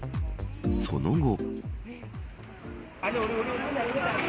その後。